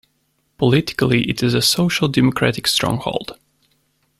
Politically it is a Social Democratic stronghold.